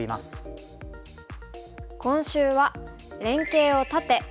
今週は「連携を断て！」。